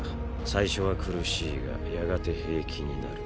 最初は苦しいがやがて平気になる。